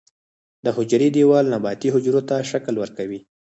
د حجرې دیوال نباتي حجرو ته شکل ورکوي